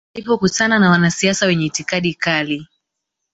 Alipokutana na wanasiasa wenye itikadi kali